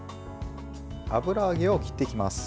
油揚げを切ってきます。